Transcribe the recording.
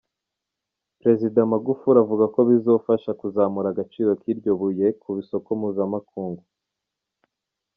Prezida Magufuli avuga ko bizofasha kuzamura agaciro k'iryo buye ku soko mpuzamakungu.